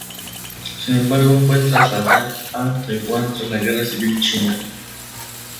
Sin embargo, fue traslada a Taiwan tras la Guerra civil china.